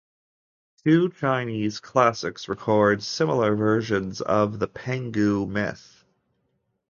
Two Chinese classics record similar versions of the Penghou myth.